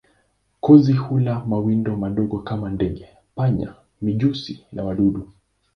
Kozi hula mawindo madogo kama ndege, panya, mijusi na wadudu.